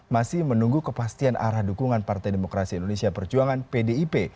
masih menunggu kepastian arah dukungan partai demokrasi indonesia perjuangan pdip